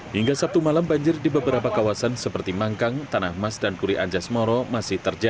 hingga sabtu malam banjir di beberapa kawasan seperti mangkang tanah mas dan puri anjas moro masih terjadi